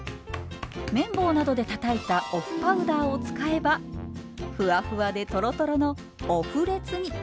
麺棒などでたたいたお麩パウダーを使えばふわふわでとろとろのオ麩レツに。